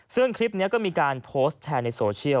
ซึ่งคลิปนี้ก็มีการโพสต์แชร์ในโซเชียล